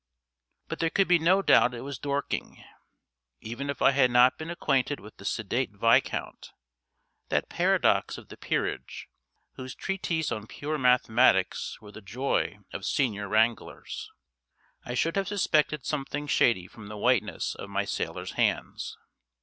But there could be no doubt it was Dorking even if I had not been acquainted with the sedate Viscount (that paradox of the peerage, whose treatises on pure mathematics were the joy of Senior Wranglers) I should have suspected something shady from the whiteness of my sailor's hands.